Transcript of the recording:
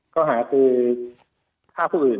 ข้อกล่าวห่าคือข้าวผู้อื่น